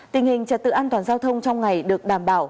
tình hình trật tự an toàn giao thông trong ngày được đảm bảo